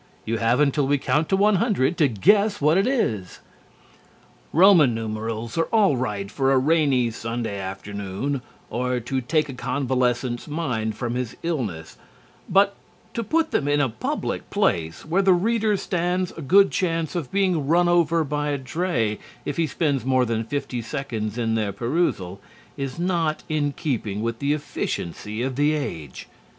You have until we count to one hundred to guess what it is." Roman numerals are all right for a rainy Sunday afternoon or to take a convalescent's mind from his illness, but to put them in a public place, where the reader stands a good chance of being run over by a dray if he spends more than fifty seconds in their perusal, is not in keeping with the efficiency of the age.